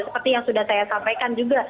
seperti yang sudah saya sampaikan juga